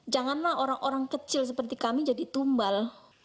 janganlah orang orang kecil seperti kami jadi tumbal